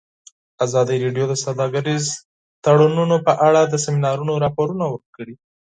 ازادي راډیو د سوداګریز تړونونه په اړه د سیمینارونو راپورونه ورکړي.